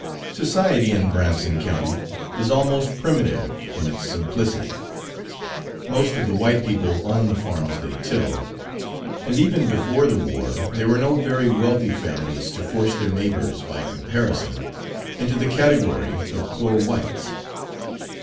Society in Branson County is almost primitive in its simplicity. Most of the white people own the farms they till, and even before the war there were no very wealthy families to force their neighbors, by comparison, into the category of "poor whites."